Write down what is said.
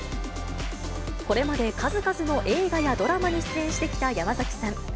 これまで数々の映画やドラマに出演してきた山崎さん。